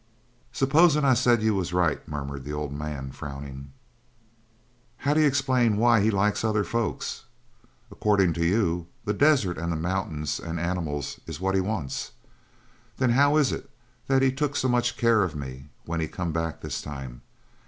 "Supposin' I said you was right," murmured the old man, frowning, "how d'you explain why he likes other folks. According to you, the desert and the mountains and animals is what he wants. Then how is it that he took so much care of me when he come back this time?